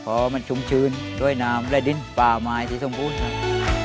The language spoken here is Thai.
พอมันชุ่มชื้นด้วยน้ำและดินป่าไม้ที่สมบูรณ์ครับ